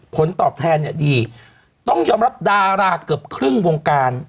ผลตอบแทนเนี่ยดีต้องยอมรับดาราเกือบครึ่งวงการ